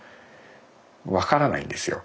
分からないんですよ。